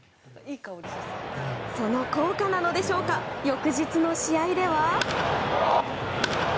その効果なのでしょうか翌日の試合では。